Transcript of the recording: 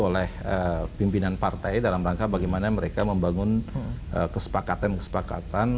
oleh pimpinan partai dalam rangka bagaimana mereka membangun kesepakatan kesepakatan